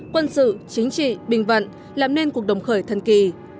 quân sự chính trị bình vận làm nên cuộc đồng khởi thân kỳ